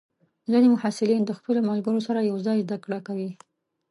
ځینې محصلین د خپلو ملګرو سره یوځای زده کړه کوي.